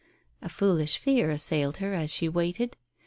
... A foolish fear assailed her as she waited.